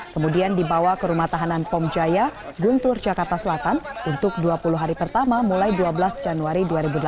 kemudian dibawa ke rumah tahanan pom jaya guntur jakarta selatan untuk dua puluh hari pertama mulai dua belas januari dua ribu delapan belas